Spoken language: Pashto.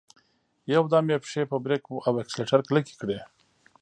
يودم يې پښې په بريک او اکسلېټر کلکې کړې.